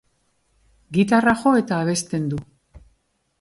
Gitarra jo eta abesten du.